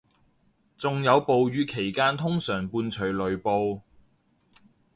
仲有暴雨期間通常伴隨雷暴